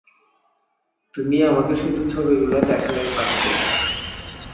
তুমি আমাকে শুধু ছবিগুলো দেখালেই পারতে।